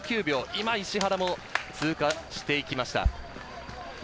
今、石原も通過していきました。